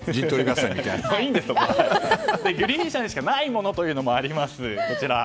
グリーン車にしかないものもあります。